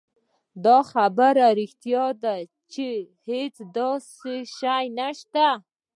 دا خبره رښتيا ده چې هېڅ داسې شی نشته.